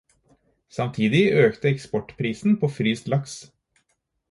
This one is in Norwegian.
Samtidig økte eksportprisen på fryst laks.